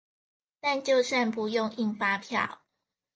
但就算不用印發票